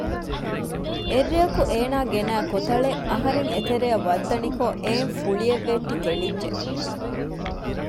އެއްރެއަކު އޭނާ ގެނައި ކޮތަޅެއް އަހަރެން އެތެރެއަށް ވައްދަނިކޮށް އެއިން ފުޅިއެއް ވެއްޓި ތެޅިއްޖެ